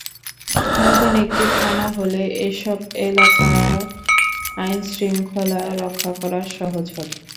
নতুন একটি থানা হলে এসব এলাকার আইনশৃঙ্খলা রক্ষা করা সহজ হবে।